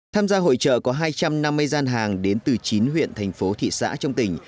tham gia hội trợ có hai trăm năm mươi gian hàng đến từ chín huyện thành phố thị xã trong tỉnh